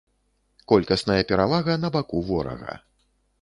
Колькасная перавага на баку ворага.